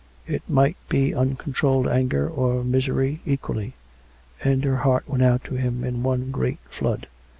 It might be uncontrolled anger or misery, equally. And her heart went out to him in one great flood.